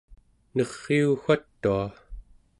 neriu watua!